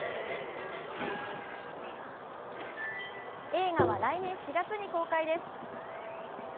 映画は来年４月に公開です。